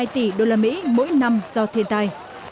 năm hai tỷ usd mỗi năm do thiên tai